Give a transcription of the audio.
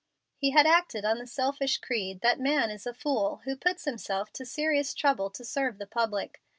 He had acted on the selfish creed that a man is a fool who puts himself to serious trouble to serve the public.